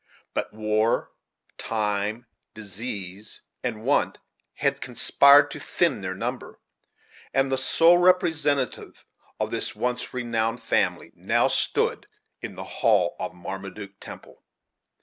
But war, time, disease, and want had conspired to thin their number; and the sole representative of this once renowned family now stood in the hall of Marmaduke Temple.